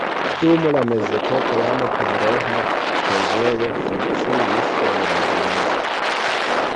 Dum la mezepoko jam paroĥa preĝejo funkciis en la vilaĝo.